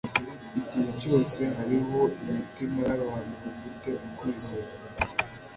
Igihe cyose hariho imitima yabantu bafite ukwizera